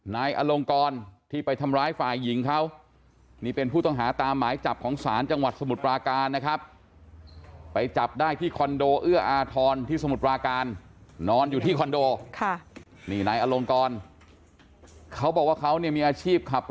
นายอลงกรที่ไปทำร้ายฝ่ายหญิงเขานี่เป็นผู้ต้องหาตามหมายจับของสารจังหวัดสมุทรปราการนะครับ